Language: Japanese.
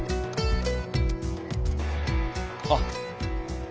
あっ。